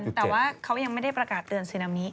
แต่ว่าเขายังไม่ได้ประกาศเตือนซึนามิ